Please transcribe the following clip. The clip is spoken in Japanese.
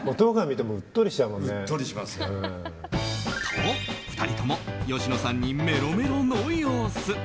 と、２人とも吉野さんにメロメロの様子。